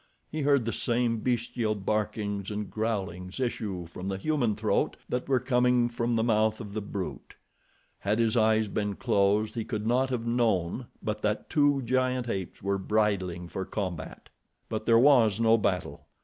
He heard the same bestial barkings and growlings issue from the human throat that were coming from the mouth of the brute. Had his eyes been closed he could not have known but that two giant apes were bridling for combat. But there was no battle.